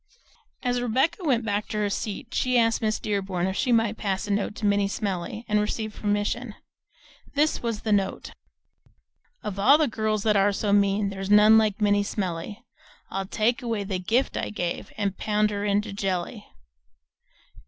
As Rebecca went back to her seat she asked Miss Dearborn if she might pass a note to Minnie Smellie and received permission. This was the note: Of all the girls that are so mean There's none like Minnie Smellie. I'll take away the gift I gave And pound her into jelly.